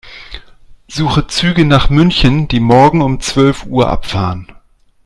Suche Züge nach München, die morgen um zwölf Uhr abfahren.